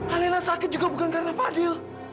alena sakit juga bukan karena fadil